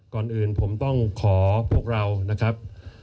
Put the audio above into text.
ก่อนอื่นผมต้องขอพวกเรานะครับ